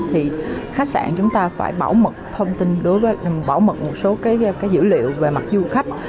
thì khách sạn chúng ta phải bảo mật thông tin đối với bảo mật một số dữ liệu về mặt du khách